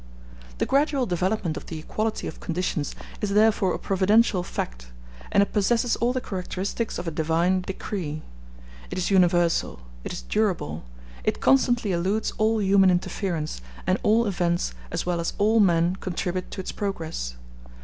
The gradual development of the equality of conditions is therefore a providential fact, and it possesses all the characteristics of a divine decree: it is universal, it is durable, it constantly eludes all human interference, and all events as well as all men contribute to its progress.